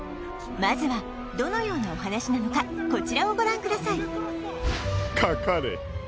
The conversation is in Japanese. まずはどのようなお話なのかこちらをご覧ください